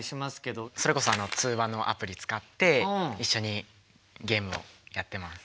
それこそ通話のアプリ使って一緒にゲームをやってます。